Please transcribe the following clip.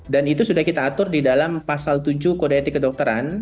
dan itu sudah kita atur di dalam pasal tujuh kode etik kedokteran